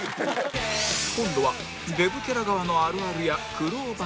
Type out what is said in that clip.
今度はデブキャラ側のあるあるや苦労話